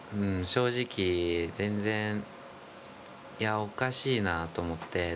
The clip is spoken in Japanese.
正直、全然おかしいなと思って。